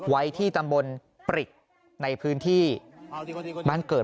ไว้ที่ตำบลปริกในพื้นที่บ้านเกิด